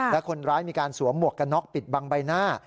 และคนร้ายมีการสวมหมวกกันน็อกปิดบังใบหน้า